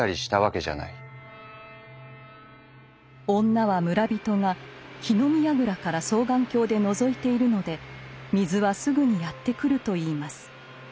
女は村人が火の見やぐらから双眼鏡でのぞいているので水はすぐにやってくると言います。